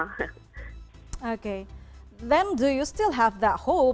lalu apakah anda masih berharap